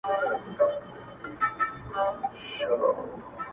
ځوانمیرګه شپه سبا سوه د آذان استازی راغی،